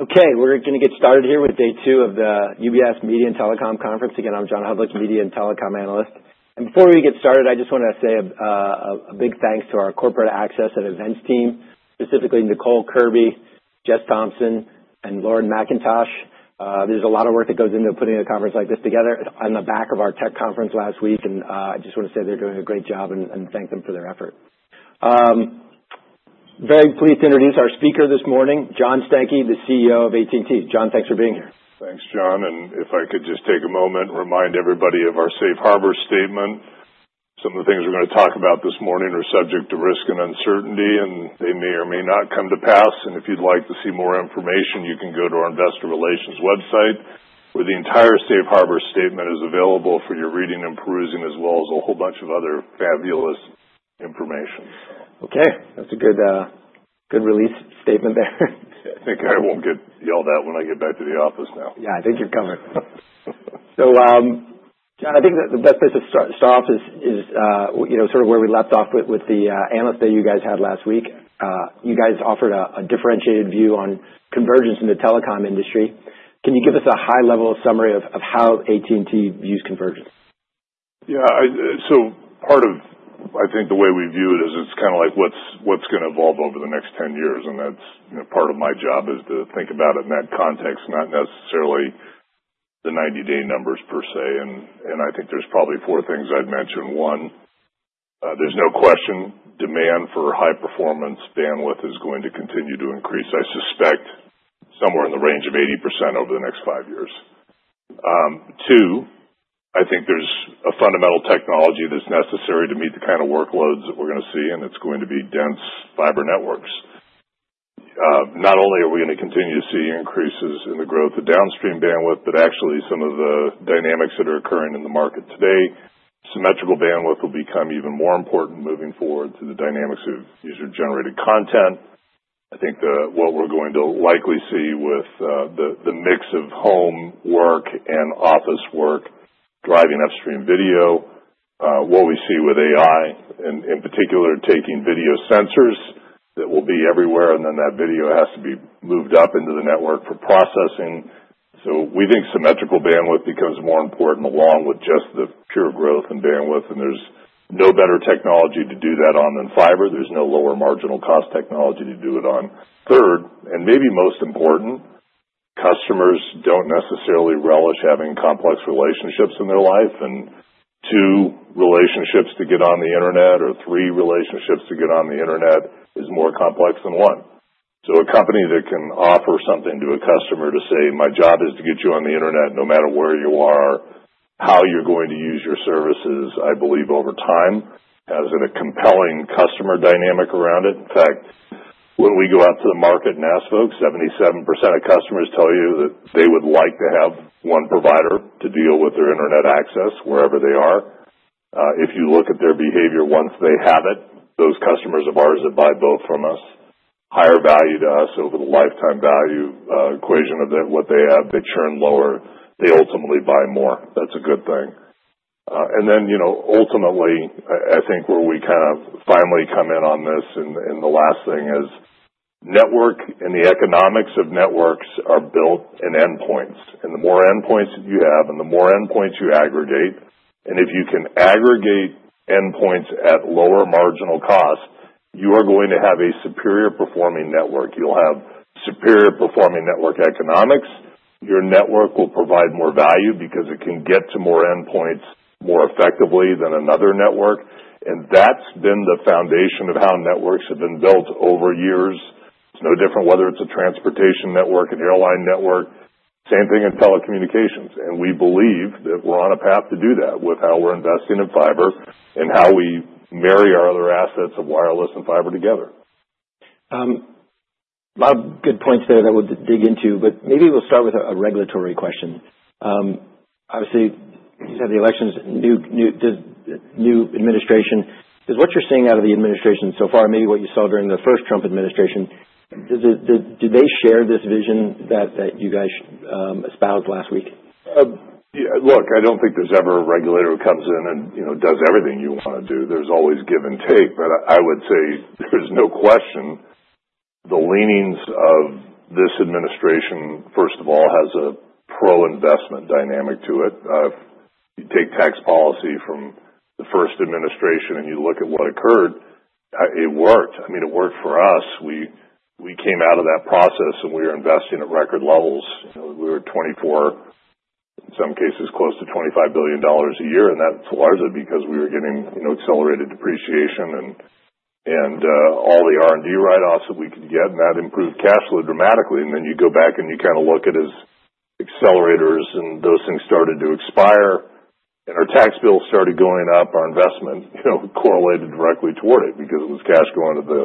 Okay, we're gonna get started here with day two of the UBS Media and Telecom Conference. Again, I'm John Hodulik, Media and Telecom Analyst. And before we get started, I just wanna say a big thanks to our Corporate Access and Events team, specifically Nicole Kirby, Jess Thompson, and Lauren McIntosh. There's a lot of work that goes into putting a conference like this together. On the back of our tech conference last week, and I just wanna say they're doing a great job and thank them for their effort. Very pleased to introduce our speaker this morning, John Stankey, the CEO of AT&T. John, thanks for being here. Thanks, John, and if I could just take a moment and remind everybody of our safe harbor statement, some of the things we're gonna talk about this morning are subject to risk and uncertainty, and they may or may not come to pass, and if you'd like to see more information, you can go to our Investor Relations website, where the entire safe harbor statement is available for your reading and perusing, as well as a whole bunch of other fabulous information, so. Okay. That's a good, good release statement there. Yeah. I think I won't get yelled at when I get back to the office now. Yeah, I think you're covered. So, John, I think that the best place to start off is, you know, sort of where we left off with the analyst day you guys had last week. You guys offered a differentiated view on convergence in the telecom industry. Can you give us a high-level summary of how AT&T views convergence? Yeah, I'd say so, part of, I think, the way we view it is it's kinda like what's gonna evolve over the next 10 years. That's, you know, part of my job is to think about it in that context, not necessarily the 90-day numbers per se. I think there's probably four things I'd mention. One, there's no question demand for high-performance bandwidth is going to continue to increase. I suspect somewhere in the range of 80% over the next five years. Two, I think there's a fundamental technology that's necessary to meet the kind of workloads that we're gonna see, and it's going to be dense fiber networks. Not only are we gonna continue to see increases in the growth of downstream bandwidth, but actually some of the dynamics that are occurring in the market today, symmetrical bandwidth will become even more important moving forward to the dynamics of user-generated content. I think what we're going to likely see with the mix of home work and office work driving upstream video, what we see with AI, and in particular taking video sensors that will be everywhere, and then that video has to be moved up into the network for processing. So we think symmetrical bandwidth becomes more important along with just the pure growth and bandwidth. And there's no better technology to do that on than fiber. There's no lower marginal cost technology to do it on. Third, and maybe most important, customers don't necessarily relish having complex relationships in their life. And two, relationships to get on the internet, or three, relationships to get on the internet is more complex than one. So a company that can offer something to a customer to say, "My job is to get you on the internet no matter where you are, how you're going to use your services," I believe over time has a compelling customer dynamic around it. In fact, when we go out to the market and ask folks, 77% of customers tell you that they would like to have one provider to deal with their internet access wherever they are. If you look at their behavior once they have it, those customers of ours that buy both from us, higher value to us over the lifetime value, equation of the what they have, they churn lower. They ultimately buy more. That's a good thing. And then, you know, ultimately, I think where we kind of finally come in on this, and the last thing is network and the economics of networks are built in endpoints. And the more endpoints that you have and the more endpoints you aggregate, and if you can aggregate endpoints at lower marginal cost, you are going to have a superior performing network. You'll have superior performing network economics. Your network will provide more value because it can get to more endpoints more effectively than another network. And that's been the foundation of how networks have been built over years. It's no different whether it's a transportation network, an airline network, same thing in telecommunications. And we believe that we're on a path to do that with how we're investing in fiber and how we marry our other assets of wireless and fiber together. A lot of good points there that we'll dig into, but maybe we'll start with a regulatory question. Obviously, you said the election's new, the new administration. Is what you're seeing out of the administration so far, maybe what you saw during the first Trump administration, do they share this vision that you guys espoused last week? Yeah. Look, I don't think there's ever a regulator who comes in and, you know, does everything you wanna do. There's always give and take. But I would say there's no question the leanings of this administration, first of all, has a pro-investment dynamic to it. You take tax policy from the first administration and you look at what occurred, it worked. I mean, it worked for us. We came out of that process and we were investing at record levels. You know, we were $24 billion, in some cases close to $25 billion a year. And that's largely because we were getting, you know, accelerated depreciation and all the R&D write-offs that we could get. And that improved cash flow dramatically. And then you go back and you kinda look at as accelerators and those things started to expire and our tax bills started going up. Our investment, you know, correlated directly toward it because it was cash going to the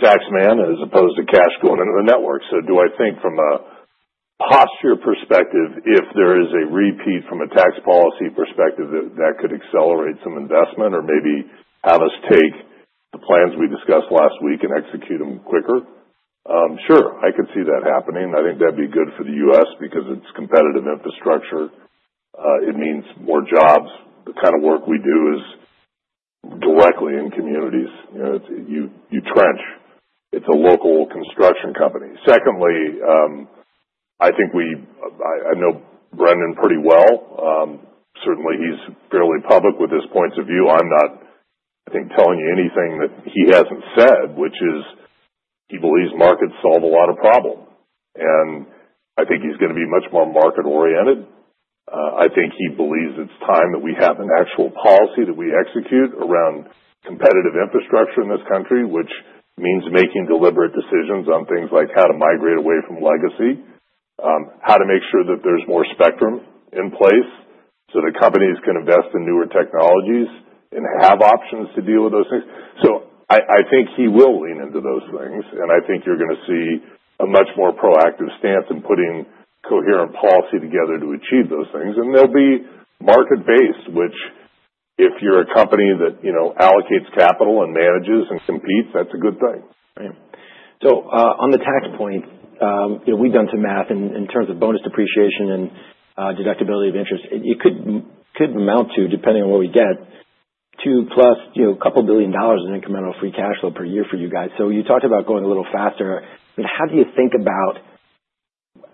taxman as opposed to cash going into the network. So do I think from a posture perspective, if there is a repeat from a tax policy perspective, that could accelerate some investment or maybe have us take the plans we discussed last week and execute them quicker? Sure, I could see that happening. I think that'd be good for the U.S. because it's competitive infrastructure. It means more jobs. The kind of work we do is directly in communities. You know, it's you trench. It's a local construction company. Secondly, I think I know Brendan pretty well. Certainly he's fairly public with his points of view. I'm not, I think, telling you anything that he hasn't said, which is he believes markets solve a lot of problems. I think he's gonna be much more market-oriented. I think he believes it's time that we have an actual policy that we execute around competitive infrastructure in this country, which means making deliberate decisions on things like how to migrate away from legacy, how to make sure that there's more spectrum in place so that companies can invest in newer technologies and have options to deal with those things. I think he will lean into those things. I think you're gonna see a much more proactive stance in putting coherent policy together to achieve those things. They'll be market-based, which if you're a company that, you know, allocates capital and manages and competes, that's a good thing. Right, so on the tax point, you know, we've done some math in terms of bonus depreciation and deductibility of interest. It could amount to, depending on what we get, two plus, you know, a couple billion dollars in incremental free cash flow per year for you guys. So you talked about going a little faster. I mean, how do you think about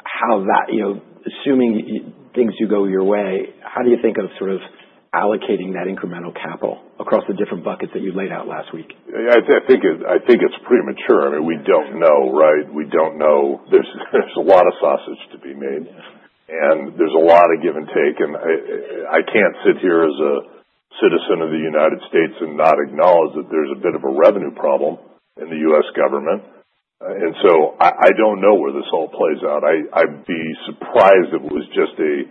how that, you know, assuming if things do go your way, how do you think of sort of allocating that incremental capital across the different buckets that you laid out last week? I think it's premature. I mean, we don't know, right? We don't know. There's a lot of sausage to be made. Yeah. There's a lot of give and take. I can't sit here as a citizen of the United States and not acknowledge that there's a bit of a revenue problem in the U.S. government. And so I don't know where this all plays out. I'd be surprised if it was just a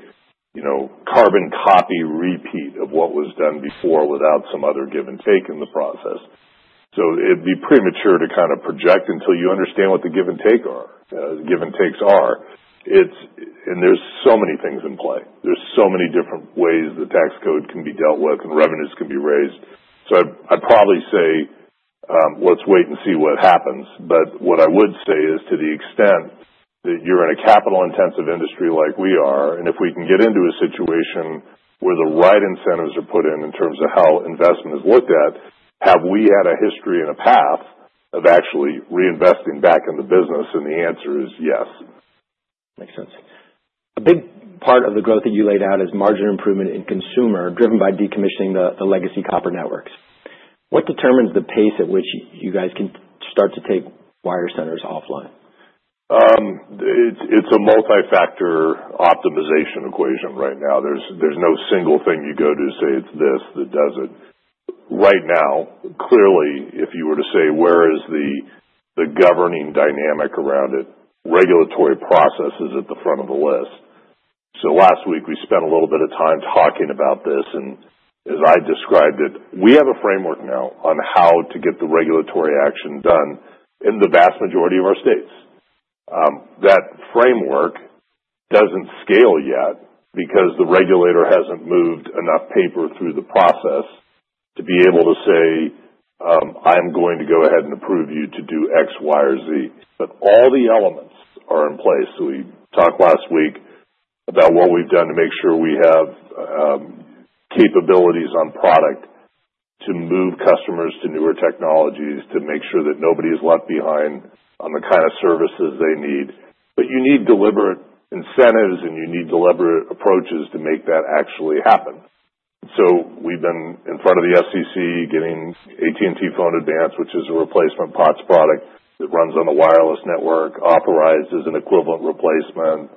you know carbon copy repeat of what was done before without some other give and take in the process. So it'd be premature to kinda project until you understand what the give and takes are. It's and there's so many things in play. There's so many different ways the tax code can be dealt with and revenues can be raised. So I'd probably say, let's wait and see what happens. But what I would say is to the extent that you're in a capital-intensive industry like we are, and if we can get into a situation where the right incentives are put in terms of how investment is looked at, have we had a history and a path of actually reinvesting back in the business? And the answer is yes. Makes sense. A big part of the growth that you laid out is margin improvement in consumer driven by decommissioning the legacy copper networks. What determines the pace at which you guys can start to take wire centers offline? It's a multifactor optimization equation right now. There's no single thing you go to say it's this that does it. Right now, clearly, if you were to say where is the governing dynamic around it, regulatory process is at the front of the list. So last week we spent a little bit of time talking about this. And as I described it, we have a framework now on how to get the regulatory action done in the vast majority of our states. That framework doesn't scale yet because the regulator hasn't moved enough paper through the process to be able to say, I'm going to go ahead and approve you to do X, Y, or Z. But all the elements are in place. So we talked last week about what we've done to make sure we have capabilities on product to move customers to newer technologies, to make sure that nobody is left behind on the kind of services they need. But you need deliberate incentives and you need deliberate approaches to make that actually happen. So we've been in front of the FCC getting AT&T Phone Advanced, which is a replacement POTS product that runs on a wireless network, authorized as an equivalent replacement.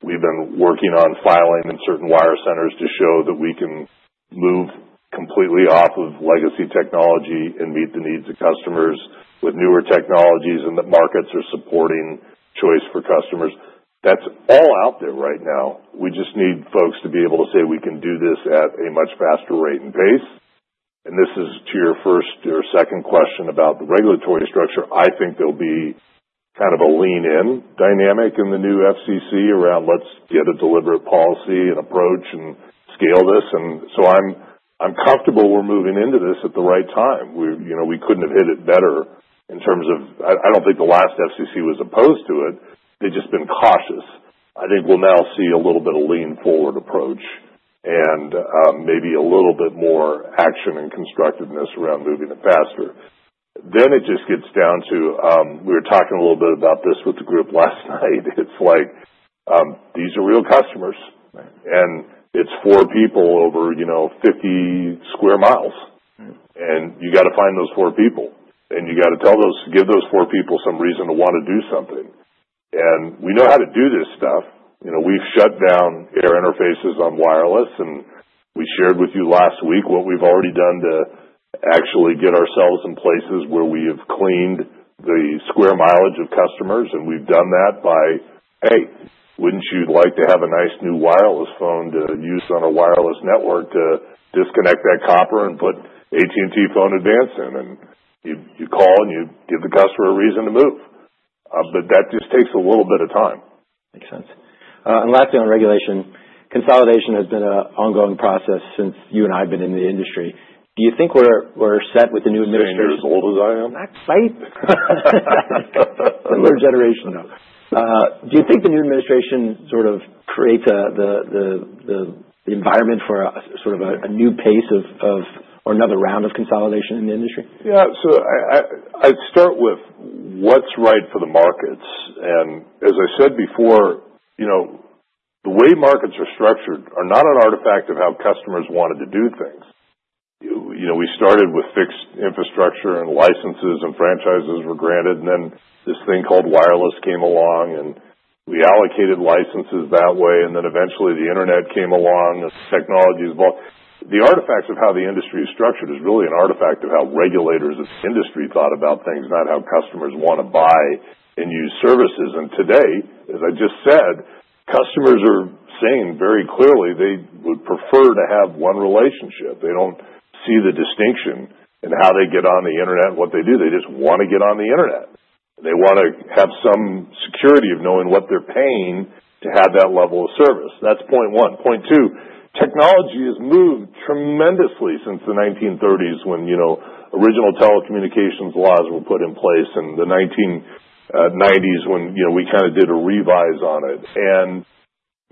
We've been working on filing in certain wire centers to show that we can move completely off of legacy technology and meet the needs of customers with newer technologies and that markets are supporting choice for customers. That's all out there right now. We just need folks to be able to say we can do this at a much faster rate and pace. This is to your first or second question about the regulatory structure. I think there'll be kind of a lean-in dynamic in the new FCC around let's get a deliberate policy and approach and scale this, so I'm, I'm comfortable we're moving into this at the right time. We, you know, we couldn't have hit it better in terms of I, I don't think the last FCC was opposed to it. They've just been cautious. I think we'll now see a little bit of lean-forward approach and, maybe a little bit more action and constructiveness around moving it faster, it just gets down to, we were talking a little bit about this with the group last night. It's like, these are real customers. Right. And it's four people over, you know, 50 sq mi. Right. You gotta find those four people. You gotta tell those four people some reason to wanna do something. We know how to do this stuff. You know, we've shut down air interfaces on wireless. We shared with you last week what we've already done to actually get ourselves in places where we have cleaned the square mileage of customers. We've done that by, "Hey, wouldn't you like to have a nice new wireless phone to use on a wireless network to disconnect that copper and put AT&T Phone Advanced in?" You call and you give the customer a reason to move, but that just takes a little bit of time. Makes sense. And lastly on regulation, consolidation has been an ongoing process since you and I've been in the industry. Do you think we're set with the new administration? 10 years old as I am? That's right. Similar generation, though. Do you think the new administration sort of creates the environment for a sort of a new pace of or another round of consolidation in the industry? Yeah. So I'd start with what's right for the markets. And as I said before, you know, the way markets are structured are not an artifact of how customers wanted to do things. You know, we started with fixed infrastructure and licenses and franchises were granted. And then this thing called wireless came along and we allocated licenses that way. And then eventually the internet came along and technologies evolved. The artifact of how the industry is structured is really an artifact of how regulators of the industry thought about things, not how customers wanna buy and use services. And today, as I just said, customers are saying very clearly they would prefer to have one relationship. They don't see the distinction in how they get on the internet and what they do. They just wanna get on the internet. They wanna have some security of knowing what they're paying to have that level of service. That's point one. Point two, technology has moved tremendously since the 1930s when, you know, original telecommunications laws were put in place and the 1990s when, you know, we kinda did a revise on it. And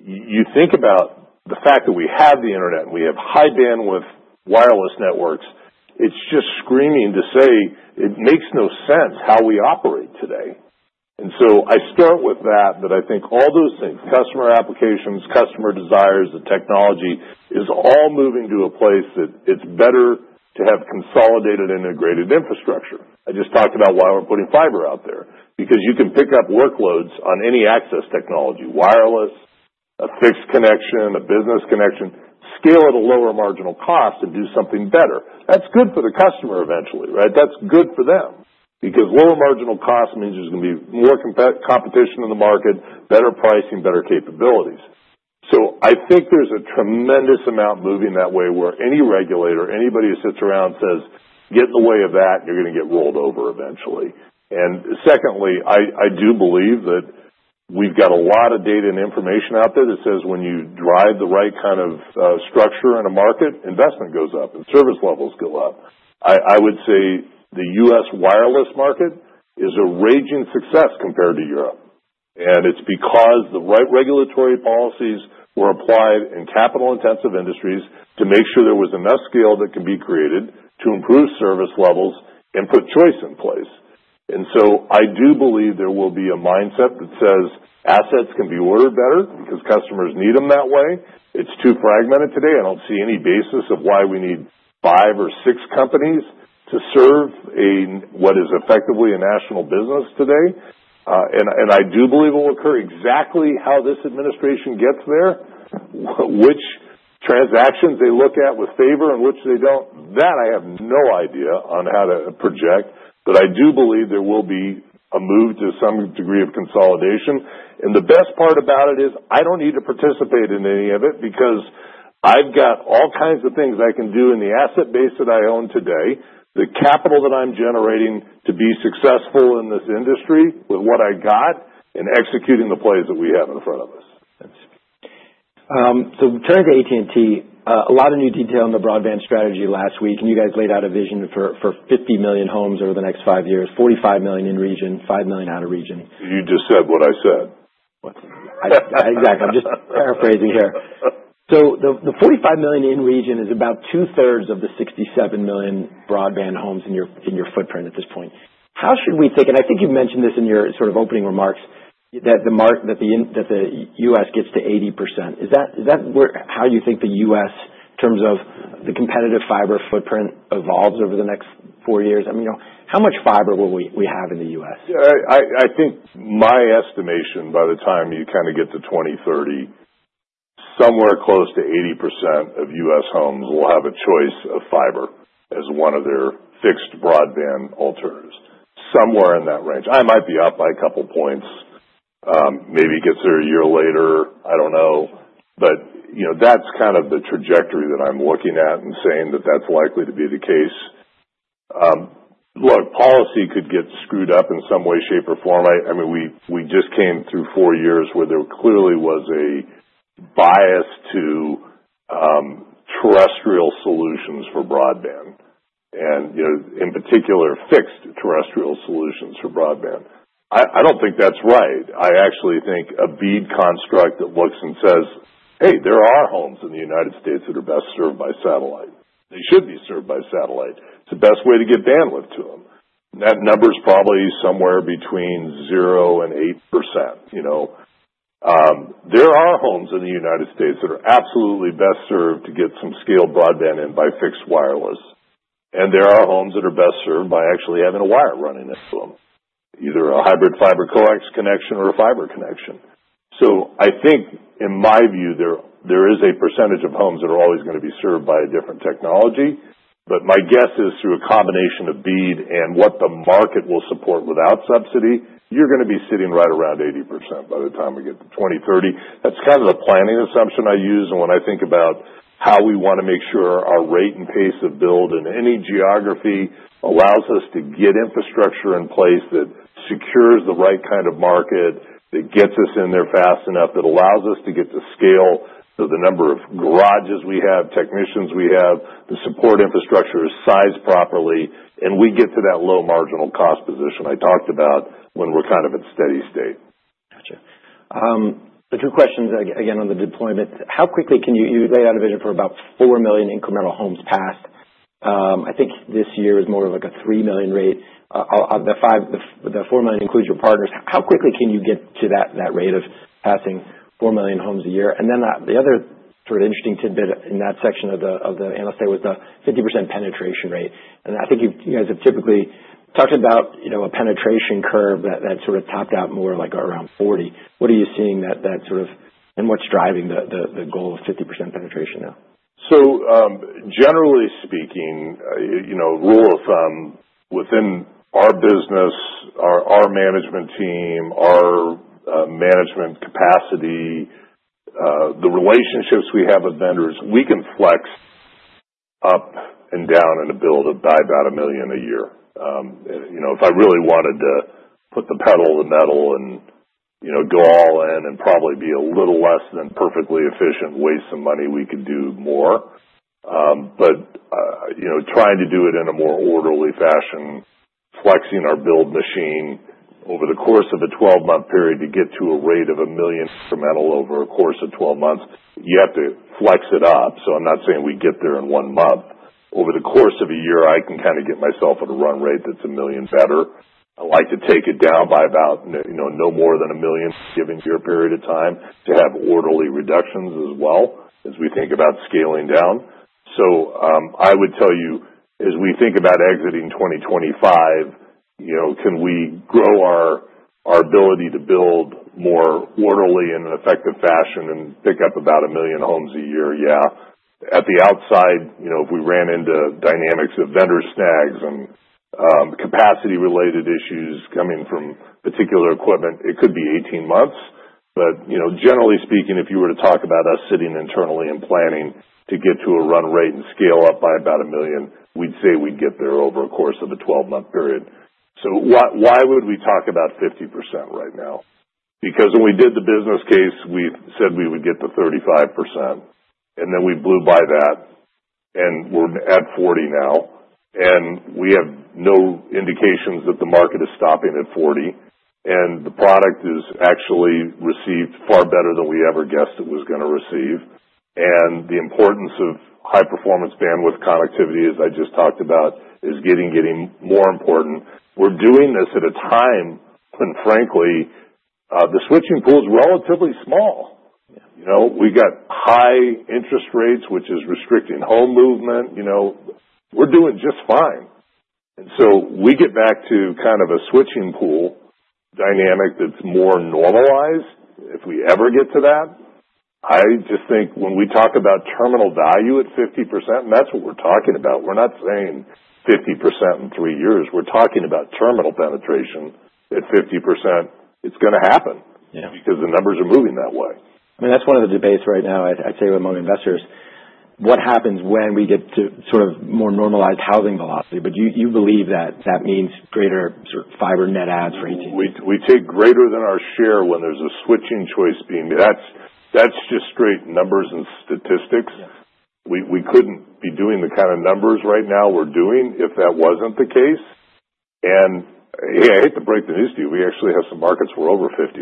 you think about the fact that we have the internet and we have high-bandwidth wireless networks. It's just screaming to say it makes no sense how we operate today. And so I start with that I think all those things, customer applications, customer desires, the technology is all moving to a place that it's better to have consolidated integrated infrastructure. I just talked about why we're putting fiber out there because you can pick up workloads on any access technology, wireless, a fixed connection, a business connection, scale at a lower marginal cost, and do something better. That's good for the customer eventually, right? That's good for them because lower marginal cost means there's gonna be more competition in the market, better pricing, better capabilities. So I think there's a tremendous amount moving that way where any regulator, anybody who sits around says, "Get in the way of that, you're gonna get rolled over eventually." And secondly, I do believe that we've got a lot of data and information out there that says when you drive the right kind of structure in a market, investment goes up and service levels go up. I would say the U.S. wireless market is a raging success compared to Europe. And it's because the right regulatory policies were applied in capital-intensive industries to make sure there was enough scale that can be created to improve service levels and put choice in place. And so I do believe there will be a mindset that says assets can be ordered better because customers need them that way. It's too fragmented today. I don't see any basis of why we need five or six companies to serve, what is effectively, a national business today. And I do believe it'll occur exactly how this administration gets there, which transactions they look at with favor and which they don't. That I have no idea on how to project. But I do believe there will be a move to some degree of consolidation. The best part about it is I don't need to participate in any of it because I've got all kinds of things I can do in the asset base that I own today, the capital that I'm generating to be successful in this industry with what I got and executing the plays that we have in front of us. That's so turning to AT&T, a lot of new detail in the broadband strategy last week, and you guys laid out a vision for 50 million homes over the next five years, 45 million in region, 5 million out of region. You just said what I said. What? I exactly. I'm just paraphrasing here. So the 45 million in region is about two-thirds of the 67 million broadband homes in your footprint at this point. How should we think? And I think you've mentioned this in your sort of opening remarks that the U.S. gets to 80%. Is that where how you think the U.S. in terms of the competitive fiber footprint evolves over the next four years? I mean, you know, how much fiber will we have in the U.S.? I think my estimation by the time you kinda get to 2030, somewhere close to 80% of U.S. homes will have a choice of fiber as one of their fixed broadband alternatives, somewhere in that range. I might be up by a couple points, maybe get there a year later. I don't know. But, you know, that's kind of the trajectory that I'm looking at and saying that that's likely to be the case. Look, policy could get screwed up in some way, shape, or form. I mean, we just came through four years where there clearly was a bias to terrestrial solutions for broadband and, you know, in particular, fixed terrestrial solutions for broadband. I don't think that's right. I actually think a BEAD construct that looks and says, "Hey, there are homes in the United States that are best served by satellite. They should be served by satellite. It's the best way to get bandwidth to them." That number's probably somewhere between 0% and 8%, you know? There are homes in the United States that are absolutely best served to get some scale broadband in by fixed wireless. And there are homes that are best served by actually having a wire running into them, either a hybrid fiber coax connection or a fiber connection. So I think, in my view, there is a percentage of homes that are always gonna be served by a different technology. But my guess is through a combination of BEAD and what the market will support without subsidy, you're gonna be sitting right around 80% by the time we get to 2030. That's kind of the planning assumption I use. When I think about how we wanna make sure our rate and pace of build in any geography allows us to get infrastructure in place that secures the right kind of market, that gets us in there fast enough, that allows us to get to scale to the number of garages we have, technicians we have, the support infrastructure is sized properly, and we get to that low marginal cost position I talked about when we're kind of in steady state. Gotcha. The two questions again on the deployment. How quickly can you laid out a vision for about 4 million incremental homes passed. I think this year is more of like a 3 million rate. The 4 million includes your partners. How quickly can you get to that rate of passing 4 million homes a year? And then the other sort of interesting tidbit in that section of the analyst statement was the 50% penetration rate. And I think you guys have typically talked about, you know, a penetration curve that sort of topped out more like around 40%. What are you seeing that sort of and what's driving the goal of 50% penetration now? So, generally speaking, you know, rule of thumb within our business, our management team, our management capacity, the relationships we have with vendors, we can flex up and down in a build by about a million a year. You know, if I really wanted to put the pedal to the metal and, you know, go all in and probably be a little less than perfectly efficient, waste some money, we could do more, but you know, trying to do it in a more orderly fashion, flexing our build machine over the course of a 12-month period to get to a rate of a million incremental over a course of 12 months, you have to flex it up. So I'm not saying we get there in one month. Over the course of a year, I can kinda get myself at a run rate that's a million better. I like to take it down by about, you know, no more than a million given your period of time to have orderly reductions as well as we think about scaling down. So, I would tell you as we think about exiting 2025, you know, can we grow our ability to build more orderly in an effective fashion and pick up about a million homes a year? Yeah. At the outside, you know, if we ran into dynamics of vendor snags and capacity-related issues coming from particular equipment, it could be 18 months. But, you know, generally speaking, if you were to talk about us sitting internally and planning to get to a run rate and scale up by about a million, we'd say we'd get there over a course of a 12-month period. So why would we talk about 50% right now? Because when we did the business case, we said we would get to 35%. And then we blew by that and we're at 40% now. And we have no indications that the market is stopping at 40%. And the product has actually received far better than we ever guessed it was gonna receive. And the importance of high-performance bandwidth connectivity, as I just talked about, is getting more important. We're doing this at a time when, frankly, the switching pool's relatively small. Yeah. You know, we got high interest rates, which is restricting home movement. You know, we're doing just fine. And so we get back to kind of a switching pool dynamic that's more normalized if we ever get to that. I just think when we talk about terminal value at 50%, and that's what we're talking about. We're not saying 50% in three years. We're talking about terminal penetration at 50%. It's gonna happen. Yeah. Because the numbers are moving that way. I mean, that's one of the debates right now. I tell you among investors, what happens when we get to sort of more normalized housing velocity, but you believe that means greater sort of fiber net adds for AT&T. We take greater than our share when there's a switching choice beam. That's just straight numbers and statistics. Yeah. We couldn't be doing the kind of numbers right now we're doing if that wasn't the case. And hey, I hate to break the news to you. We actually have some markets where we're over 50%.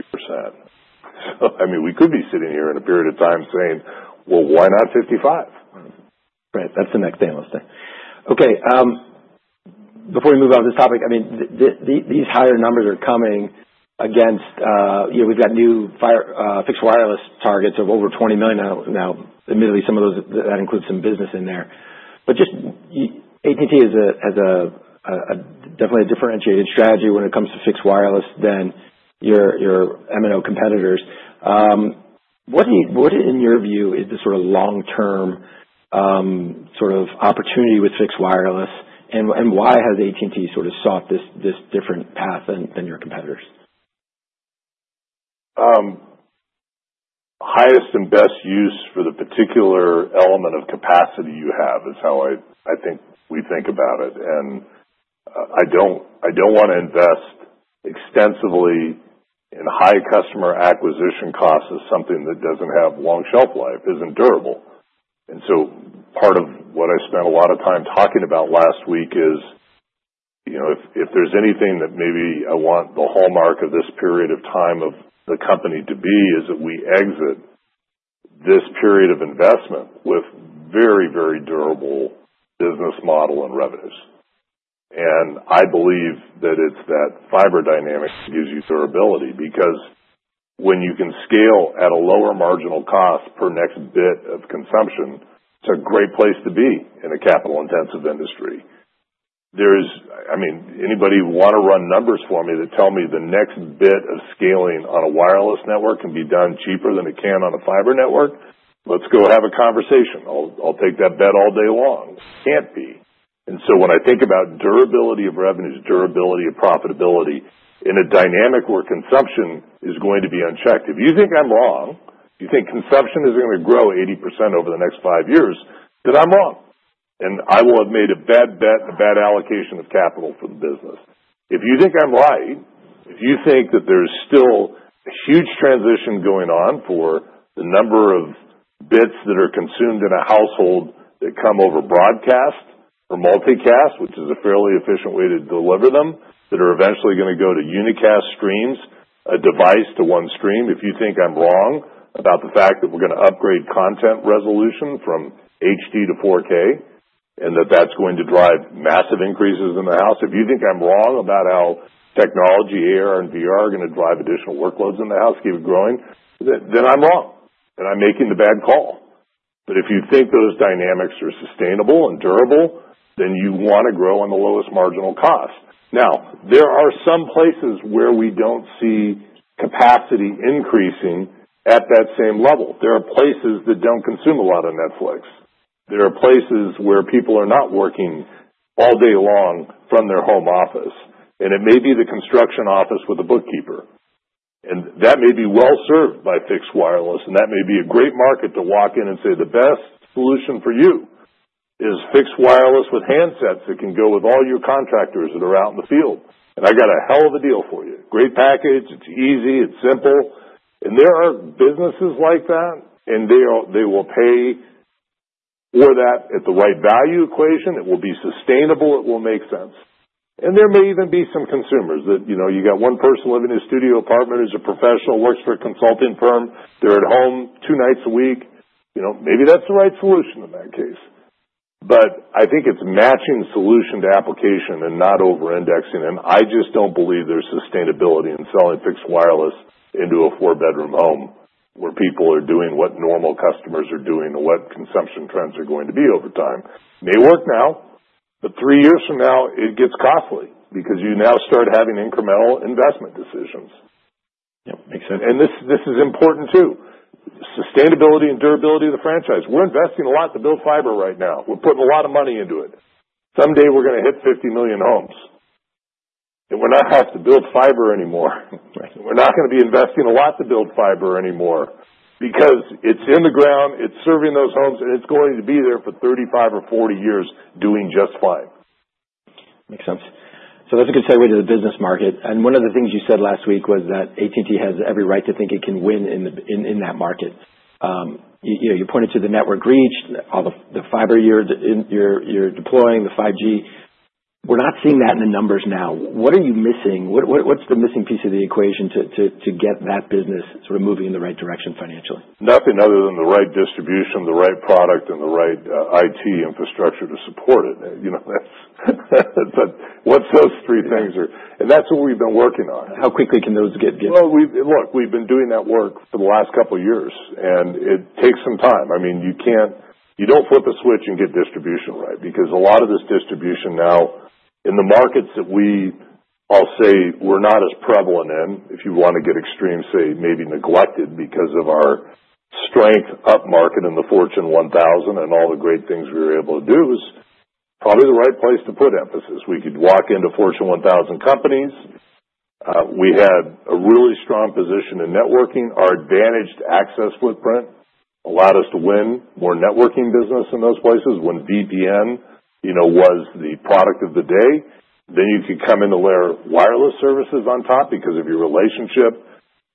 So, I mean, we could be sitting here in a period of time saying, "Well, why not 55%? Right. That's the next analyst thing. Okay. Before we move on this topic, I mean, these higher numbers are coming against, you know, we've got new fixed wireless targets of over 20 million now. Now, admittedly, some of those, that includes some business in there. But just AT&T has a definitely differentiated strategy when it comes to fixed wireless than your M&O competitors. What in your view is the sort of long-term, sort of opportunity with fixed wireless? And why has AT&T sort of sought this different path than your competitors? Highest and best use for the particular element of capacity you have is how I think we think about it. And, I don't wanna invest extensively in high customer acquisition costs as something that doesn't have long shelf life, isn't durable. And so part of what I spent a lot of time talking about last week is, you know, if there's anything that maybe I want the hallmark of this period of time of the company to be is that we exit this period of investment with very, very durable business model and revenues. And I believe that it's that fiber dynamic that gives you durability because when you can scale at a lower marginal cost per next bit of consumption, it's a great place to be in a capital-intensive industry. There is, I mean, anybody who wanna run numbers for me that tell me the next bit of scaling on a wireless network can be done cheaper than it can on a fiber network, let's go have a conversation. I'll, I'll take that bet all day long. Can't be. And so when I think about durability of revenues, durability of profitability in a dynamic where consumption is going to be unchecked, if you think I'm wrong, you think consumption is gonna grow 80% over the next five years, then I'm wrong. And I will have made a bad bet and a bad allocation of capital for the business. If you think I'm right, if you think that there's still a huge transition going on for the number of bits that are consumed in a household that come over broadcast or multicast, which is a fairly efficient way to deliver them, that are eventually gonna go to unicast streams, a device to one stream, if you think I'm wrong about the fact that we're gonna upgrade content resolution from HD to 4K and that that's going to drive massive increases in the house, if you think I'm wrong about how technology, AR, and VR are gonna drive additional workloads in the house, keep it growing, then, then I'm wrong and I'm making the bad call. But if you think those dynamics are sustainable and durable, then you wanna grow on the lowest marginal cost. Now, there are some places where we don't see capacity increasing at that same level. There are places that don't consume a lot of Netflix. There are places where people are not working all day long from their home office. And it may be the construction office with a bookkeeper. And that may be well served by fixed wireless. And that may be a great market to walk in and say, "The best solution for you is fixed wireless with handsets that can go with all your contractors that are out in the field. And I got a hell of a deal for you. Great package. It's easy. It's simple." And there are businesses like that. And they are, they will pay for that at the right value equation. It will be sustainable. It will make sense. And there may even be some consumers that, you know, you got one person living in a studio apartment as a professional, works for a consulting firm. They're at home two nights a week. You know, maybe that's the right solution in that case. But I think it's matching solution to application and not over-indexing. And I just don't believe there's sustainability in selling fixed wireless into a four-bedroom home where people are doing what normal customers are doing and what consumption trends are going to be over time. May work now. But three years from now, it gets costly because you now start having incremental investment decisions. Yep. Makes sense. This, this is important too. Sustainability and durability of the franchise. We're investing a lot to build fiber right now. We're putting a lot of money into it. Someday we're gonna hit 50 million homes. We're not gonna have to build fiber anymore. Right. We're not gonna be investing a lot to build fiber anymore because it's in the ground. It's serving those homes, and it's going to be there for 35 or 40 years doing just fine. Makes sense, so that's a good segue to the business market, and one of the things you said last week was that AT&T has every right to think it can win in that market. You know, you pointed to the network reach, all the fiber you're deploying, the 5G. We're not seeing that in the numbers now. What are you missing? What's the missing piece of the equation to get that business sort of moving in the right direction financially? Nothing other than the right distribution, the right product, and the right IT infrastructure to support it. You know, that's what those three things are. And that's what we've been working on. How quickly can those get? Well, we've been doing that work for the last couple of years, and it takes some time. I mean, you can't, you don't flip a switch and get distribution right because a lot of this distribution now in the markets that we all say we're not as prevalent in, if you wanna get extreme, say, maybe neglected because of our strength up market in the Fortune 1000 and all the great things we were able to do is probably the right place to put emphasis. We could walk into Fortune 1000 companies. We had a really strong position in networking. Our advantaged access footprint allowed us to win more networking business in those places when VPN, you know, was the product of the day. Then you could come in to layer wireless services on top because of your relationship,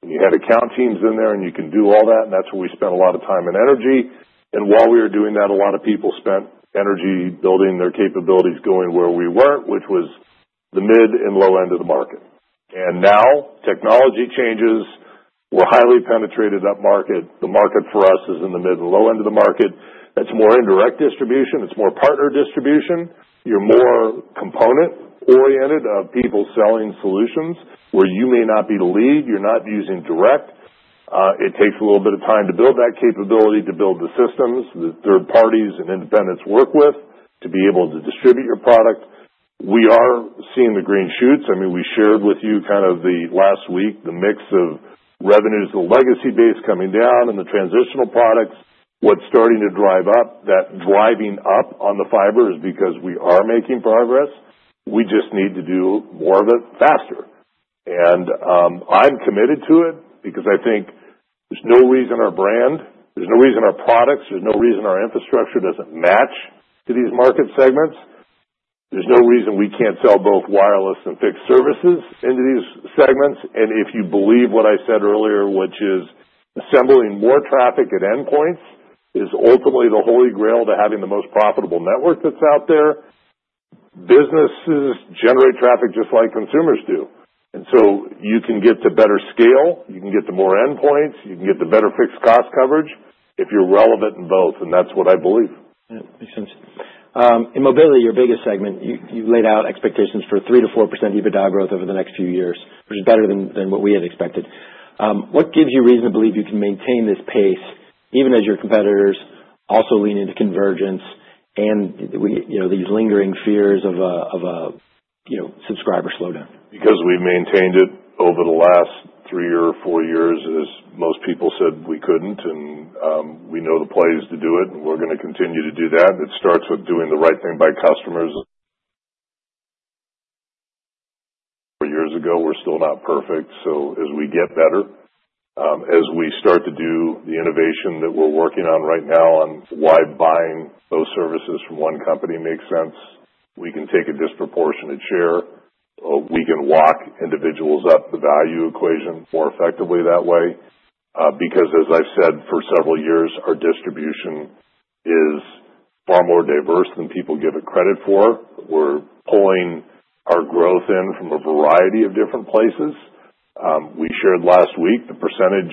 and you had account teams in there. And you can do all that. And that's where we spent a lot of time and energy. And while we were doing that, a lot of people spent energy building their capabilities going where we weren't, which was the mid and low end of the market. And now technology changes. We're highly penetrated up market. The market for us is in the mid and low end of the market. It's more indirect distribution. It's more partner distribution. You're more component-oriented of people selling solutions where you may not be the lead. You're not using direct. It takes a little bit of time to build that capability, to build the systems that third parties and independents work with to be able to distribute your product. We are seeing the green shoots. I mean, we shared with you kind of the last week the mix of revenues, the legacy base coming down and the transitional products, what's starting to drive up. That driving up on the fiber is because we are making progress. We just need to do more of it faster. And I'm committed to it because I think there's no reason our brand, there's no reason our products, there's no reason our infrastructure doesn't match to these market segments. There's no reason we can't sell both wireless and fixed services into these segments. And if you believe what I said earlier, which is assembling more traffic at endpoints is ultimately the holy grail to having the most profitable network that's out there, businesses generate traffic just like consumers do. And so you can get to better scale. You can get to more endpoints. You can get to better fixed cost coverage if you're relevant in both, and that's what I believe. Yeah. Makes sense. In mobility, your biggest segment, you laid out expectations for 3%-4% EBITDA growth over the next few years, which is better than what we had expected. What gives you reason to believe you can maintain this pace even as your competitors also lean into convergence and we, you know, these lingering fears of a subscriber slowdown? Because we've maintained it over the last three or four years as most people said we couldn't, and we know the plays to do it, and we're gonna continue to do that. It starts with doing the right thing by customers. Four years ago, we're still not perfect, so as we get better, as we start to do the innovation that we're working on right now on why buying those services from one company makes sense, we can take a disproportionate share. We can walk individuals up the value equation more effectively that way, because as I've said for several years, our distribution is far more diverse than people give it credit for. We're pulling our growth in from a variety of different places. We shared last week the percentage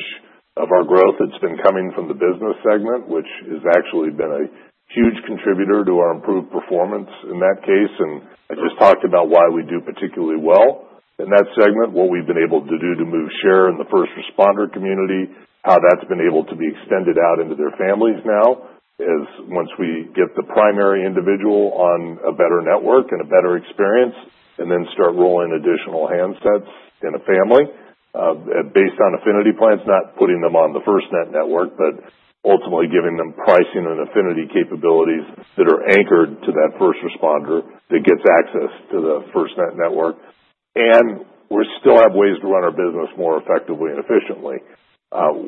of our growth that's been coming from the business segment, which has actually been a huge contributor to our improved performance in that case. And I just talked about why we do particularly well in that segment, what we've been able to do to move share in the first responder community, how that's been able to be extended out into their families now is once we get the primary individual on a better network and a better experience and then start rolling additional handsets in a family, based on affinity plans, not putting them on the FirstNet network, but ultimately giving them pricing and affinity capabilities that are anchored to that first responder that gets access to the FirstNet network. And we still have ways to run our business more effectively and efficiently.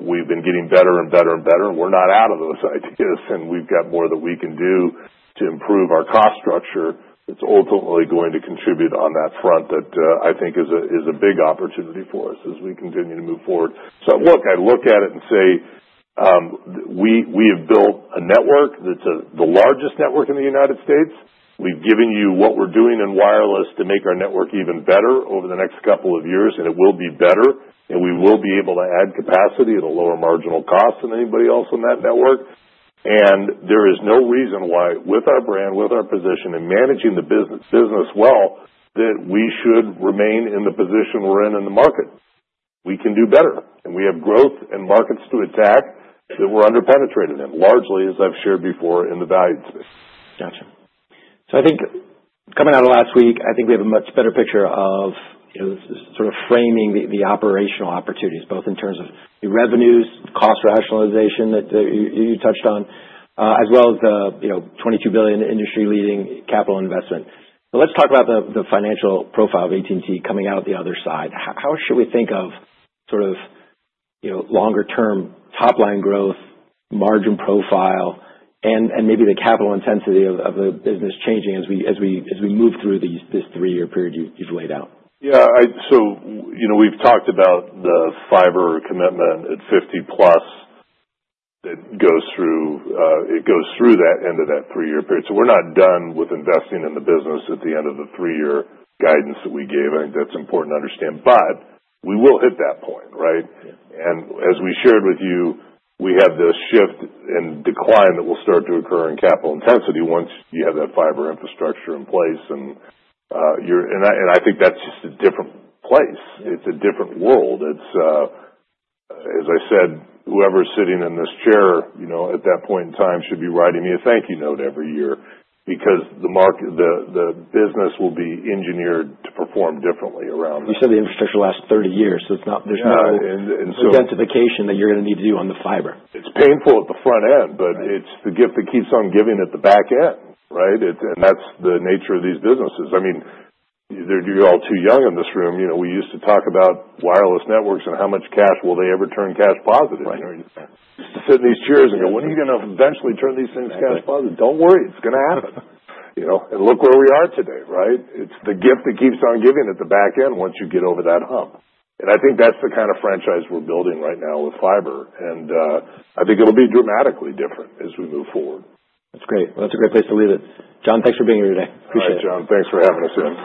We've been getting better and better and better. We're not out of those ideas. We've got more that we can do to improve our cost structure that's ultimately going to contribute on that front that, I think, is a big opportunity for us as we continue to move forward. So look, I look at it and say, we have built a network that's the largest network in the United States. We've given you what we're doing in wireless to make our network even better over the next couple of years. And it will be better. And we will be able to add capacity at a lower marginal cost than anybody else on that network. And there is no reason why with our brand, with our position, and managing the business well, that we should remain in the position we're in in the market. We can do better. We have growth and markets to attack that we're under-penetrated in largely, as I've shared before, in the value space. Gotcha. So I think coming out of last week, I think we have a much better picture of, you know, sort of framing the operational opportunities both in terms of the revenues, cost rationalization that you touched on, as well as the, you know, $22 billion industry-leading capital investment. But let's talk about the financial profile of AT&T coming out the other side. How should we think of sort of, you know, longer-term top-line growth, margin profile, and maybe the capital intensity of the business changing as we move through this three-year period you've laid out? Yeah. So we, you know, we've talked about the fiber commitment at 50-plus that goes through, it goes through that end of that three-year period. So we're not done with investing in the business at the end of the three-year guidance that we gave. I think that's important to understand. But we will hit that point, right? Yeah. As we shared with you, we have this shift and decline that will start to occur in capital intensity once you have that fiber infrastructure in place. You and I think that's just a different place. It's a different world. It's, as I said, whoever's sitting in this chair, you know, at that point in time, should be writing me a thank-you note every year because the margin, the business will be engineered to perform differently around. You said the infrastructure lasts 30 years. So it's not. There's no. Yeah. And so. Identification that you're gonna need to do on the fiber. It's painful at the front end. Yeah. But it's the gift that keeps on giving at the back end, right? It's, and that's the nature of these businesses. I mean, you're all too young in this room. You know, we used to talk about wireless networks and how much cash will they ever turn cash positive? Right. You know, you just sit in these chairs and go, "When are you gonna eventually turn these things cash positive? Yeah. Don't worry. It's gonna happen." You know, and look where we are today, right? It's the gift that keeps on giving at the back end once you get over that hump. And I think that's the kind of franchise we're building right now with fiber. And I think it'll be dramatically different as we move forward. That's great. Well, that's a great place to leave it. John, thanks for being here today. Appreciate it. All right, John. Thanks for having us in.